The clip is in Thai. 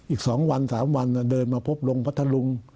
อีก๒วัน๓วันเดินมาพบลุงพัทธลุง